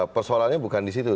persoalannya bukan disitu